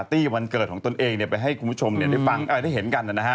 การปาร์ตี้วันเกิดของตนเองไปให้คุณผู้ชมได้เห็นกัน